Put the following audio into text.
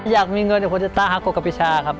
อยากมีเงินให้คนตาฮักกกับปรีชาครับ